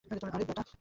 আরে, ব্যাটা।